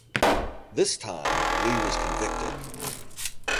This time, Lee was convicted.